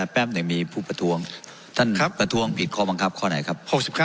แปปหนึ่งมีผู้ประท้วงครับคุณประท้วงผิดข้อบังคับข้อไหนครับ